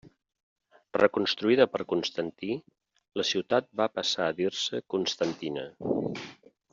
Reconstruïda per Constantí, la ciutat va passar a dir-se Constantina.